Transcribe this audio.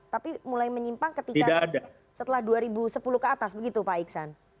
tapi mulai menyimpang ketika setelah dua ribu sepuluh ke atas begitu pak iksan